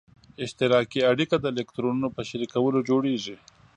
اشتراکي اړیکه د الکترونونو په شریکولو جوړیږي.